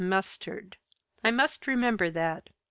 Mustard! I must remember that."